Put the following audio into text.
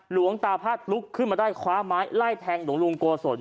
หลวงตาพาดลุกขึ้นมาได้คว้าไม้ไล่แทงหลวงลุงโกศล